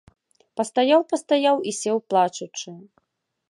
Пастаяў, пастаяў і сеў плачучы.